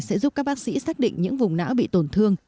sẽ giúp các bác sĩ xác định những vùng não bị tổn thương